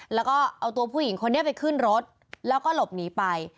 แล้วก็เอาตัวผู้หญิงคนนี้ไปขึ้นรถแล้วก็หลบหนีไป